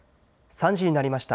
３時になりました。